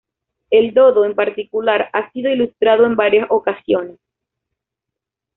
El dodo, en particular, ha sido ilustrado en varias ocasiones.